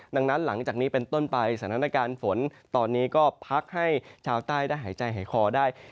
ดังนั้นหลังจากนี้เป็นต้นไปสถานการณ์ฝนตอนนี้ก็พักให้ชาวใต้ได้หายใจหายคอได้